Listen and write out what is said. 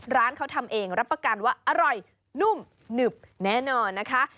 ร้านเขาทำเองรับประกันว่าอร่อยนุ่มหนึบแน่นอนนะคะ